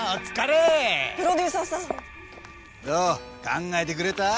考えてくれた？